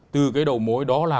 từ cái đầu mối đó là